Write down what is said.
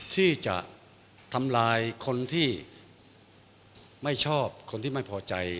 ที่จะทำลายคนที่ไม่ชอบคนที่ไม่พอใจ